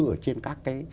ở trên các cái